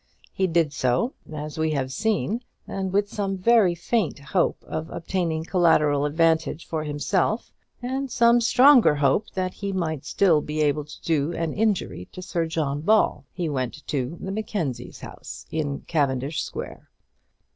He did so, as we have seen; and with some very faint hope of obtaining collateral advantage for himself, and some stronger hope that he might still be able to do an injury to Sir John Ball, he went to the Mackenzies' house in Cavendish Square.